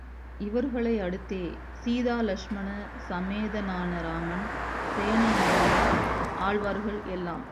இவர்களை அடுத்தே சீதா லக்ஷ்மண சமேதனான ராமன், சேனை முதலியார், ஆழ்வார்கள் எல்லாம்.